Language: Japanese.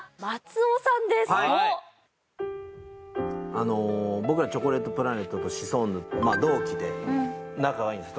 あの僕らチョコレートプラネットとシソンヌ同期で仲がいいんです。